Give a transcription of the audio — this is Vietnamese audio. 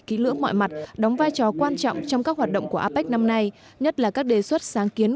kỹ lưỡng mọi mặt đóng vai trò quan trọng trong các hoạt động của apec năm nay nhất là các đề xuất sáng kiến